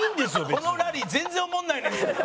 このラリー全然おもろないのに。